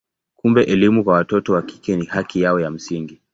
Kumbe elimu kwa watoto wa kike ni haki yao ya msingi.